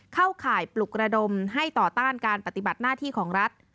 ข่ายปลุกระดมให้ต่อต้านการปฏิบัติหน้าที่ของรัฐ